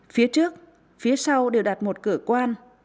phía trước phía sau đều đặt một cửa quan